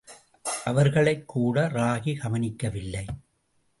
அவர்களைக் கூட ராகி கவனிக்கவில்லை.